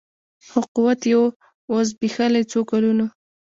خو قوت یې وو زبېښلی څو کلونو